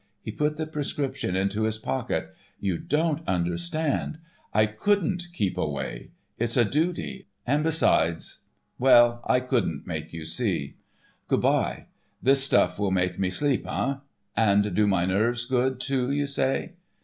He put the prescription into his pocket book. "You don't understand. I couldn't keep away. It's a duty, and besides—well I couldn't make you see. Good by. This stuff will make me sleep, eh? And do my nerves good, too, you say?